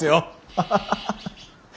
ハハハハハ。